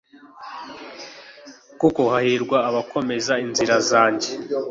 Kuko hahirwa abakomeza inzira zanjye